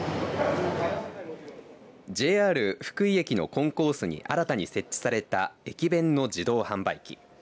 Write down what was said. ＪＲ福井駅のコンコースに新たに設置された駅弁の自動販売機。